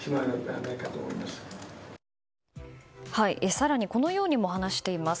更にこのようにも話しています。